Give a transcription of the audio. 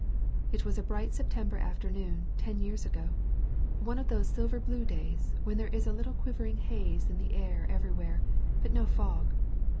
It was a bright September afternoon ten years ago — one of those silver blue days when there is a little quivering haze in the air everywhere, but no fog.